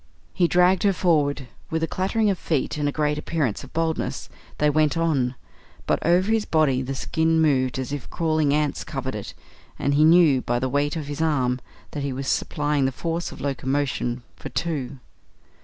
He dragged her forward. With a clattering of feet and a great appearance of boldness they went on, but over his body the skin moved as if crawling ants covered it, and he knew by the weight on his arm that he was supplying the force of locomotion for two.